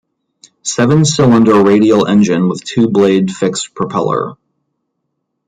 Seven-cylinder radial engine with two-blade fixed propeller.